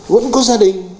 vẫn có gia đình